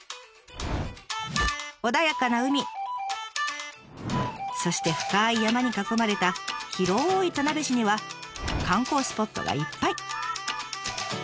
穏やかな海そして深い山に囲まれた広い田辺市には観光スポットがいっぱい！